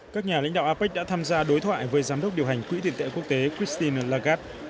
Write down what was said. các nhà lãnh đạo apec đã tham gia đối thoại với giám đốc điều hành quỹ tiền tệ quốc tế christine lagarde